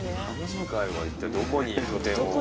次回はいったいどこに拠点を。